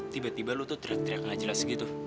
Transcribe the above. tiba tiba lu tuh teriak teriak gak jelas gitu